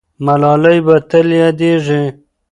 ملالۍ به تل یادېږي.